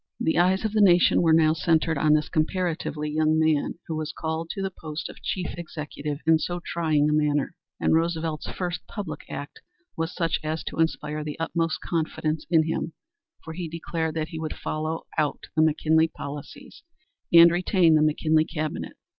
The eyes of the nation were now centered on this comparatively young man, who was called to the post of Chief Executive in so trying a manner. And Roosevelt's first public act was such as to inspire the utmost confidence in him, for he declared that he would follow out the McKinley policies and retain the McKinley Cabinet.